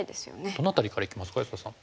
どの辺りからいきますか安田さん。